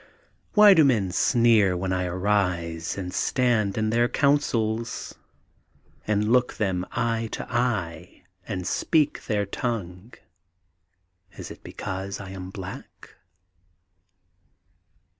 Why do men sneer when I arise And stand in their councils, And look them eye to eye, And speak their tongue? Is it because I am black?